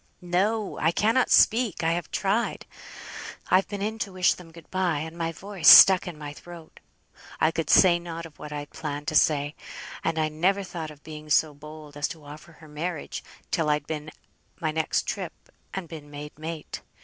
"No! I cannot speak! I have tried. I've been in to wish them good bye, and my voice stuck in my throat. I could say nought of what I'd planned to say; and I never thought of being so bold as to offer her marriage till I'd been my next trip, and been made mate.